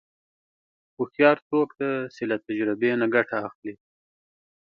هوښیار څوک دی چې له تجربې نه ګټه اخلي.